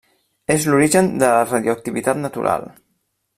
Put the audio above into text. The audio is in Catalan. És l'origen de la radioactivitat natural.